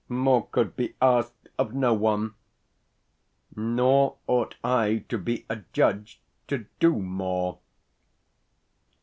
More could be asked of no one; nor ought I to be adjudged to do more.